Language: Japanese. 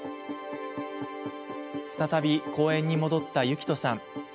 再び、公園に戻ったユキトさん。